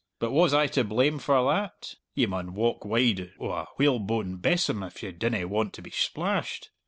But was I to blame for that? ye maun walk wide o' a whalebone besom if ye dinna want to be splashed.